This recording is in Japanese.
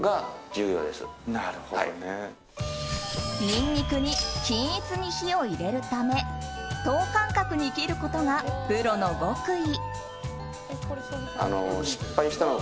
ニンニクに均一に火を入れるため等間隔に切ることがプロの極意。